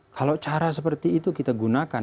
kalau cara seperti itu kita gunakan